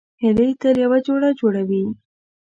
هیلۍ تل یو جوړه جوړوي